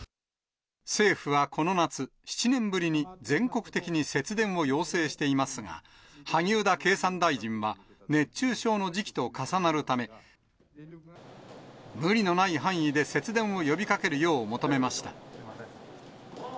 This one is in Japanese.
政府はこの夏、７年ぶりに全国的に節電を要請していますが、萩生田経産大臣は、熱中症の時期と重なるため、無理のない範囲で節電を呼びかけるよう求めました。